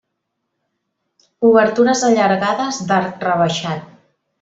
Obertures allargades d'arc rebaixat.